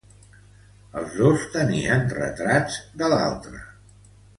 Els dos tenien retrats de l'altre.